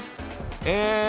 え